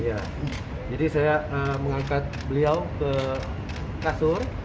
iya jadi saya mengangkat beliau ke kasur